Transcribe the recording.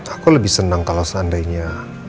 aku lebih senang kalau seandainya